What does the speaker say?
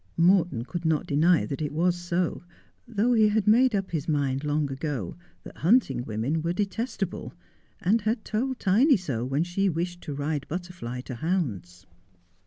Morton could not deny that it was so, though he had made up his mind long ago that hunting women were detestable, and had told Tiny so when she wished to ride Butterfly to hounds.